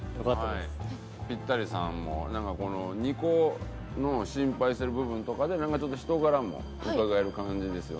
ピッタリさんもなんか２個の心配してる部分とかでなんかちょっと人柄もうかがえる感じですよね？